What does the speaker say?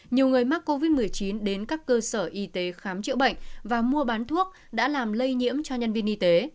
nhiều người mắc covid một mươi chín đến các cơ sở y tế khám chữa bệnh và mua bán thuốc đã làm lây nhiễm cho nhân viên y tế